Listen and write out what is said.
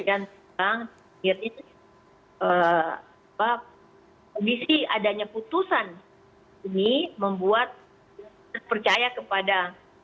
dan sekarang kondisi adanya putusan ini membuat kita percaya kepada